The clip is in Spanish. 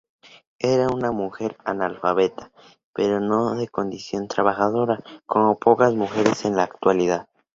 Era una mujer analfabeta pero de condición trabajadora, como pocas mujeres en la actualidad.